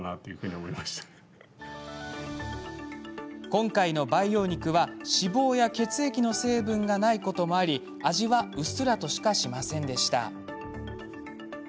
今回の培養肉は脂肪や血液の成分がないこともあり、味はうっすらとしかしませんでした。